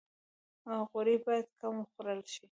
غوړي باید کم وخوړل شي